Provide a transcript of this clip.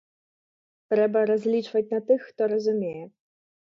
Трэба разлічваць на тых, хто разумее.